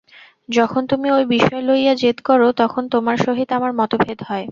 যখন তুমি ঐ বিষয় লইয়া জেদ কর, তখন তোমার সহিত আমার মতভেদ হয়।